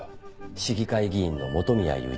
市議会議員の本宮雄一。